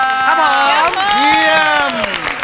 ครับผมเทียม